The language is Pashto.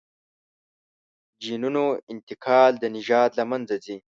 جینونو انتقال د نژاد له منځه ځي.